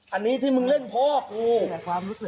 อันนี้ที่มึงเล่นพ่อกู